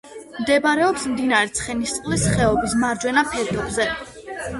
მდებარეობს მდინარე ცხენისწყლის ხეობის მარჯვენა ფერდობზე.